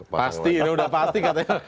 pasti udah pasti katanya